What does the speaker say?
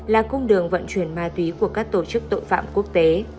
là cung đường vận chuyển ma túy của các tổ chức tội phạm quốc tế